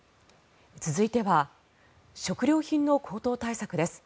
続いては食料品の高騰対策です。